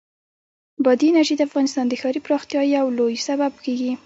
بادي انرژي د افغانستان د ښاري پراختیا یو لوی سبب کېږي.